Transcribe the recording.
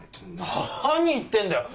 何言ってんだよ。